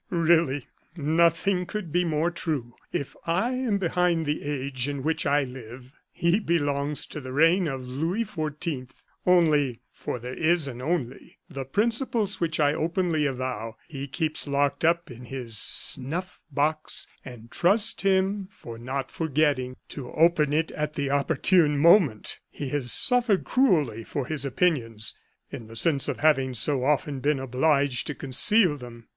"Really, nothing could be more true. If I am behind the age in which I live, he belongs to the reign of Louis XIV. Only for there is an only the principles which I openly avow, he keeps locked up in his snuff box and trust him for not forgetting to open it at the opportune moment. He has suffered cruelly for his opinions, in the sense of having so often been obliged to conceal them.